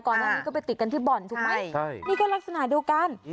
ก่อนหน้านี้ก็ไปติดกันที่บ่อนถูกไหมนี่ก็ลักษณะเดียวกัน